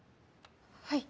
はい。